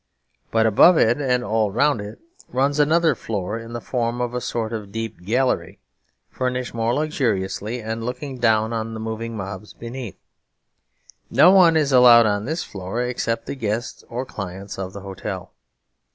But above it and all round it runs another floor in the form of a sort of deep gallery, furnished more luxuriously and looking down on the moving mobs beneath. No one is allowed on this floor except the guests or clients of the hotel.